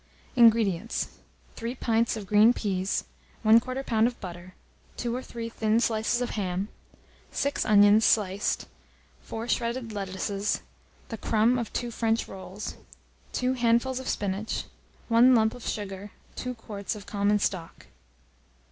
INGREDIENTS. 3 pints of green peas, 1/4 lb. of butter, 2 or three thin slices of ham, 6 onions sliced, 4 shredded lettuces, the crumb of 2 French rolls, 2 handfuls of spinach, 1 lump of sugar, 2 quarts of common stock.